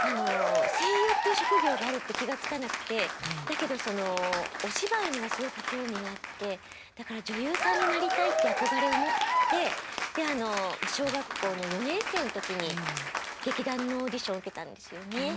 声優っていう職業があるって気が付かなくてだけどそのお芝居にはすごく興味があってだから女優さんになりたいって憧れを持ってであの小学校の４年生の時に劇団のオーディション受けたんですよね。